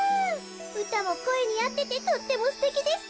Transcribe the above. うたもこえにあっててとってもすてきですってよ。